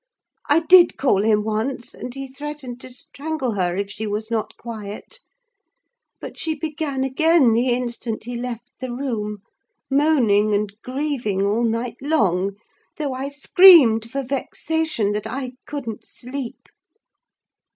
I did call him once, and he threatened to strangle her if she was not quiet; but she began again the instant he left the room, moaning and grieving all night long, though I screamed for vexation that I couldn't sleep."